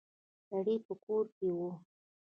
سړی په کور کې و.